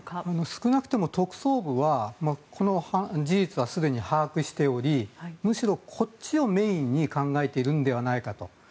少なくとも特捜部はこの事実はすでに把握しておりむしろこっちをメインに考えているのではないかと。